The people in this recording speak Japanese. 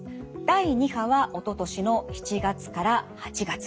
第２波はおととしの７月から８月。